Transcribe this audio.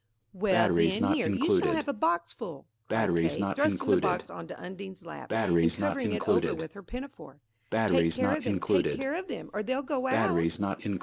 "Well then, here, you shall have a boxful," cried Kate, thrusting the box on to Undine's lap, and covering it over with her pinafore: "Take care of them–take care of them–or they'll all go out."